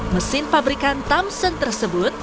mesin pabrikan thompson tersebut